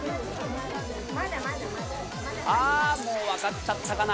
もう分かっちゃったかな？